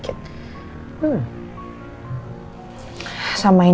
dia carrot apa yg sudah keren